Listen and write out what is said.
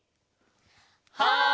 はい！